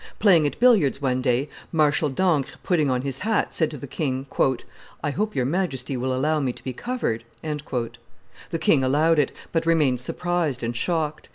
Playing at billiards one day, Marshal d'Ancre, putting on his hat, said to the king, "I hope your Majesty will allow me to be covered." The king allowed it, but remained surprised and shocked.